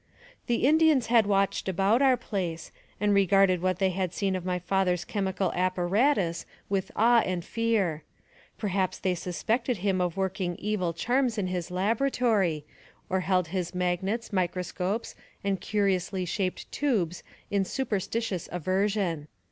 " The Indians had watched about our place, and re garded what they had seen of my father's chemical ap paratus with awe and fear. Perhaps they suspected him of working evil charms in his laboratory, or held his magnets, microscopes, and curiously shaped tubes in superstitious aversion.